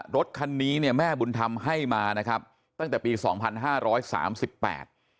รถคันนี้เนี่ยแม่บุญธรรมให้มานะครับตั้งแต่ปีสองพันห้าร้อยสามสิบแปด